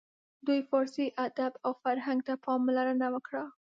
دوی فارسي ادب او فرهنګ ته پاملرنه وکړه.